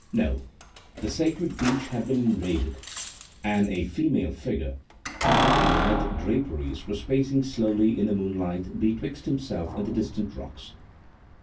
No! the sacred beach had been invaded, and a female figure clad in light draperies was pacing slowly in the moonlight betwixt himself and the distant rocks.